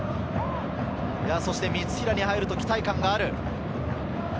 三平に入ると期待感がある。